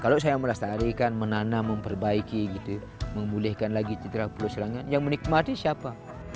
kalau saya merastanakan menanam memperbaiki memulihkan lagi cedera pulau serangan yang menikmati siapa